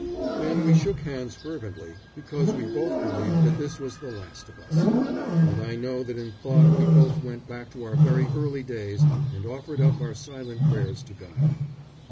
Then we shook hands fervently, because we both believed that this was the last of us, and I know that in thought we both went back to our very early days and offered up our silent prayers to God.